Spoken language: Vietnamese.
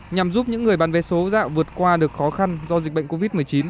nhằm giúp những người bán vé số dạo vượt qua được khó khăn do dịch bệnh covid một mươi chín